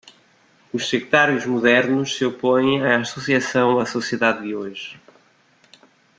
Os sectários modernos se opõem à associação à sociedade de hoje.